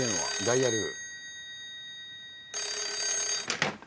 ダイヤル。